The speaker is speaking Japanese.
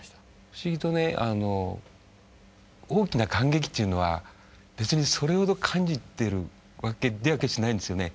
不思議とねあの大きな感激っていうのは別にそれほど感じてるわけでは決してないんですよね。